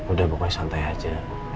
udah pokoknya santai aja